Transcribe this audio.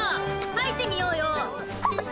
入ってみようよ。